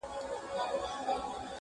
نه له درملو نه توري تښتې!.